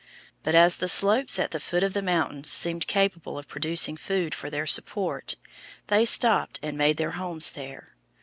But as the slopes at the foot of the mountains seemed capable of producing food for their support, they stopped and made their homes there.